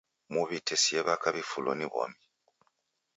Muw'itesie w'aka w'ifulo ni w'omi.